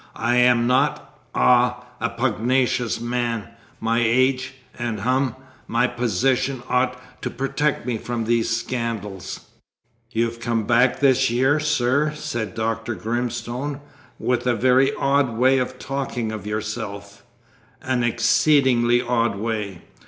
I am not ah a pugnacious man. My age, and hum my position, ought to protect me from these scandals " "You've come back this year, sir," said Dr. Grimstone, "with a very odd way of talking of yourself an exceedingly odd way.